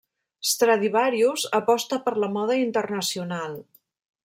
Stradivarius aposta per la moda internacional.